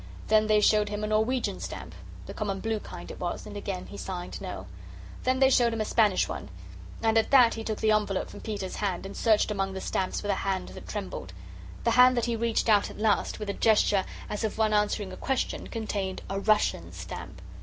Then they showed him a Norwegian stamp the common blue kind it was and again he signed No. Then they showed him a Spanish one, and at that he took the envelope from Peter's hand and searched among the stamps with a hand that trembled. The hand that he reached out at last, with a gesture as of one answering a question, contained a RUSSIAN stamp.